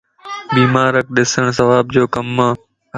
بيمارکَ ڏسڻ ثواب جو ڪمَ